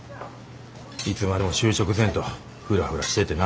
いつまでも就職せんとフラフラしててな。